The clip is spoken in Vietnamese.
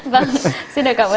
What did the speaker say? vâng xin cảm ơn anh